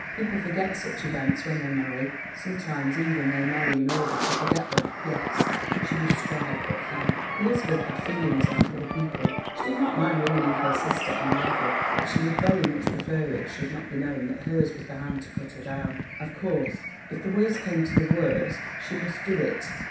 People forget such events when they marry; sometimes even they marry in order to forget them. Yes, she must strike, but how? Elizabeth had feelings like other people. She did not mind ruining her sister and rival, but she would very much prefer it should not be known that hers was the hand to cut her down. Of course, if the worst came to the worst, she must do it.